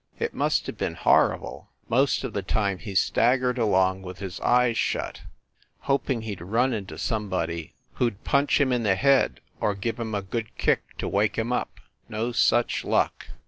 It must have been hor rible. Most of the time he staggered along with his eyes shut, hoping he d run into somebody who d 8o FIND THE WOMAN punch him in the head or give him a good kick to wake him up. No such luck.